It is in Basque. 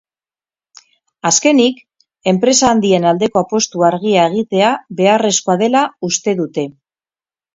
Azkenik, enpresa handien aldeko apustu argia egitea beharrezkoa dela uste dute.